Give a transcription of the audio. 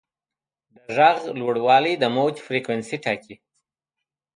د غږ لوړوالی د موج فریکونسي ټاکي.